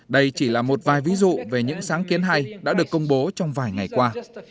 đây chỉ là một vài ví dụ về những sáng kiến hay đã được công bố trong vài ngày qua